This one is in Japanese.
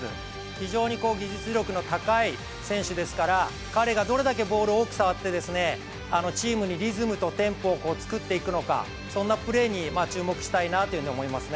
非常に技術力の高い選手ですから彼が、どれだけボールを多く触ってチームにリズムとテンポを作っていくのかそんなプレーに注目したいなと思います。